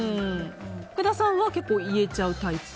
福田さんは結構、言えちゃうタイプ？